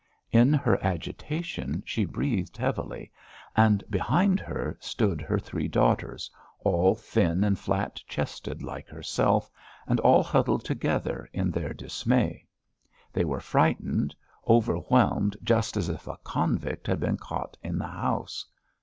In her agitation she breathed heavily. And behind her, stood her three daughters, all thin and flat chested like herself, and all huddled together in their dismay. They were frightened, overwhelmed just as if a convict had been caught in the house.